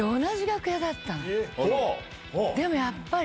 でもやっぱり。